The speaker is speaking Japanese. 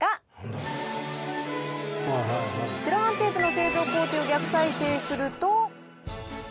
セロハンテープの製造工程を逆再生すると。